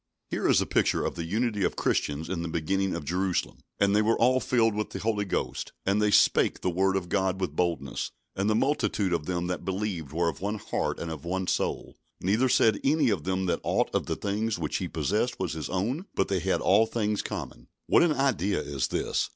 Here is a picture of the unity of Christians in the beginning in Jerusalem: "And they were all filled with the Holy Ghost, and they spake the word of God with boldness. And the multitude of them that believed were of one heart and of one soul; neither said any of them that aught of the things which he possessed was his own; but they had all things common." What an ideal is this!